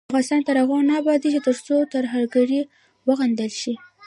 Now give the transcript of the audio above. افغانستان تر هغو نه ابادیږي، ترڅو ترهګري وغندل شي.